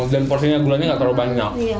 dan porsinya gulanya nggak terlalu banyak